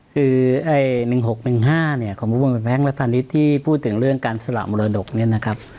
คือ๑๖๑๕ของบุคคลแพงค์และพาณฤทธิ์ที่พูดถึงเรื่องการสละมรดกนี้นะครับ